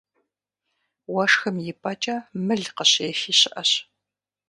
Уэшхым и пӀэкӀэ мыл къыщехи щыӀэщ.